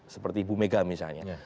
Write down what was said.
seperti ibu mega misalnya